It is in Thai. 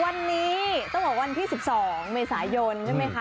วันนี้ต้องบอกวันที่๑๒เมษายนใช่ไหมคะ